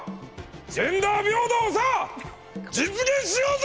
ジェンダー平等をさ実現しようぜ！